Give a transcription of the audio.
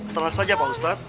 tenang saja pak ustadz